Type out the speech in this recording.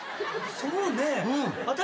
そうね。